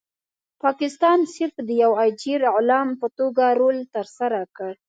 پاکستان صرف د یو اجیر غلام په توګه رول ترسره کړ.